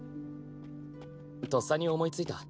とっさに思いついた。